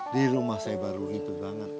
di rumah saya baru itu banget